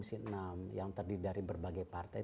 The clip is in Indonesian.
tanpa dukungan dari komisi enam yang terdiri dari berbagai partai